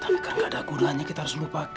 tapi karena gak ada gunanya kita harus lupakan